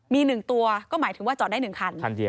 มี๑ตัวก็หมายถึงว่าจอดได้๑คันเดียว